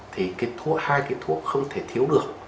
thì hai cái thuốc không thể thiếu được